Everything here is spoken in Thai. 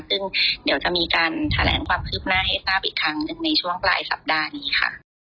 ซึ่งเดี๋ยวจะมีการแถลงความคืบหน้าให้ทราบอีกครั้งหนึ่งในช่วงปลายสัปดาห์นี้ค่ะ